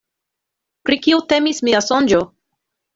Pri kio temis mia sonĝo?